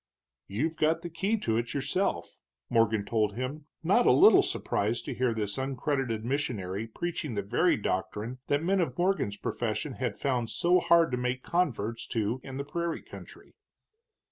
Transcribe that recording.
"You've got the key to it yourself," Morgan told him, not a little surprised to hear this uncredited missionary preaching the very doctrine that men of Morgan's profession had found so hard to make converts to in the prairie country.